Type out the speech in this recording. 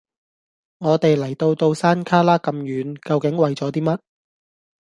我哋嚟到到山旮旯咁遠，究竟為咗啲乜？